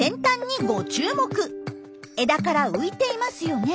枝から浮いていますよね。